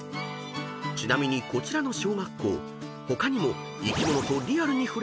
［ちなみにこちらの小学校他にも］